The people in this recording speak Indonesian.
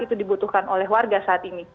itu dibutuhkan oleh warga saat ini